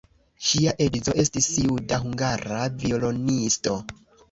Ŝia edzo estis juda-hungara violonisto.